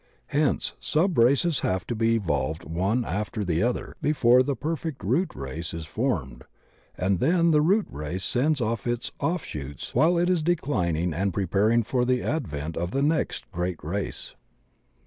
Hence sub races have to be evolved ome after the other before the perfect root race is formed and then the root race sends off its off shoots while it is declining and preparing for the advent of the next great race.